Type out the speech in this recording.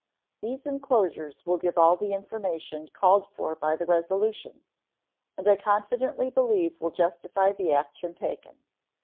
These inclosures will give all the information called for by the resolution, and I confidently believe will justify the action taken.